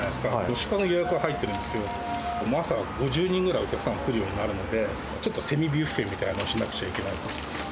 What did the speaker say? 宿泊の予約が入ってるんですよ、朝、５０人ぐらいお客さんが来るようになるので、ちょっとセミビュッフェみたいなのしなくちゃいけない。